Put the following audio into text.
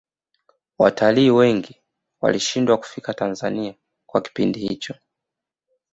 watalii wengi walishindwa kufika tanzania kwa kipindi hicho